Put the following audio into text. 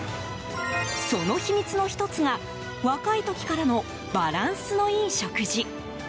その秘密の１つが、若い時からのバランスのいい食事。